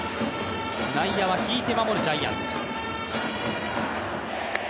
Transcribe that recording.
内野は引いて守るジャイアンツ。